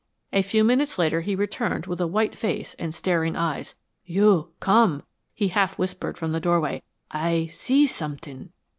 A few minutes later he returned with a white face and staring eyes. "You come," he half whispered, from the doorway. "Aye see somet'ing."